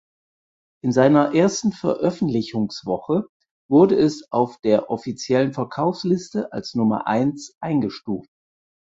In seiner ersten Veröffentlichungswoche wurde es auf der offiziellen Verkaufsliste als Nummer eins eingestuft.